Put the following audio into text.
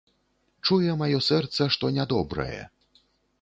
Чуе маё сэрца, што нядобрае.